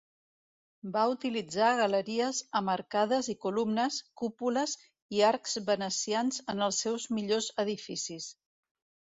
Va utilitzar galeries amb arcades i columnes, cúpules i arcs venecians en els seus millors edificis.